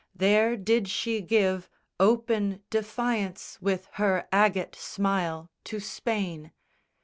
There did she give Open defiance with her agate smile To Spain.